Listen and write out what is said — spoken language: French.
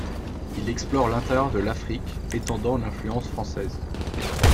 Il explore l'intérieur de l'Afrique, étendant l'influence française.